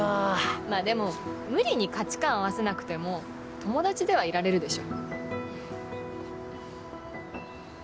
まぁでも無理に価値観合わせなくても友達ではいられるでしょ。